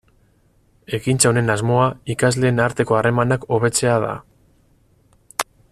Ekintza honen asmoa ikasleen arteko harremanak hobetzea da.